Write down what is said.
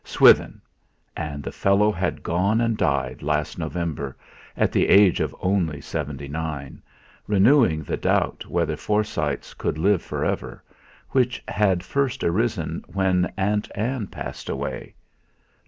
Swithin! And the fellow had gone and died, last November, at the age of only seventy nine, renewing the doubt whether Forsytes could live for ever, which had first arisen when Aunt Ann passed away.